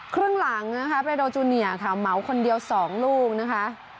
ครึ่งหลังนะคะประโดย์จูเนียร์ค่ะเมาส์คนเดียวสองลูกนะคะ